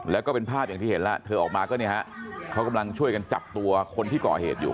แล้วก็เป็นภาพอย่างที่เห็นแล้วเธอออกมาก็เนี่ยฮะเขากำลังช่วยกันจับตัวคนที่ก่อเหตุอยู่